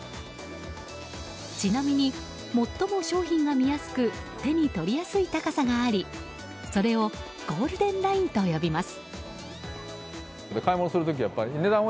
ちなみに、最も商品が見やすく手に取りやすい高さがありそれをゴールデンラインと呼びます。